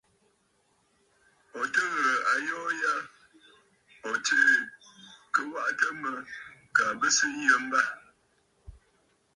Ò tɨ ghɨ̀rə̀ ayoo ya ò tsee kɨ waʼatə mə kaa bɨ sɨ yə mbâ.